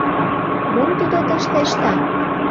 Мом тудо тыште ышта.